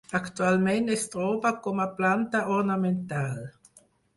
Actualment es troba com a planta ornamental.